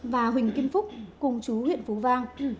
và huỳnh kim phúc cùng trú huyện phú vang